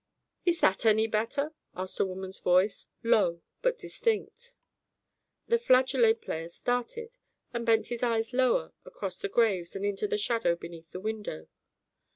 "Is that any better?" asked a woman's voice, low but distinct. The flageolet player started and bent his eyes lower across the graves and into the shadow beneath the window.